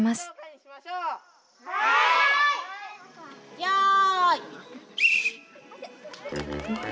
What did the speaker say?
よい。